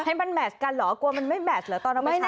ให้มันแมชกันเหรอกลัวมันไม่แมทเหรอตอนเอาไปใช้